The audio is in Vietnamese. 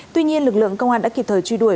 tuy nhiên lực lượng công an đã kịp thời truy đuổi